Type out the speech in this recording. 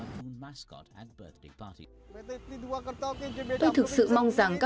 tôi thật sự mong rằng các con sẽ không phải chạy về nhà